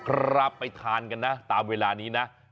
ครับไปทานกันนะตามเวลานี้นะ